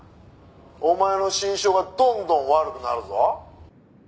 「お前の心証がどんどん悪くなるぞ」